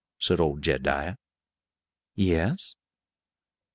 said old Jed'diah. "Yes."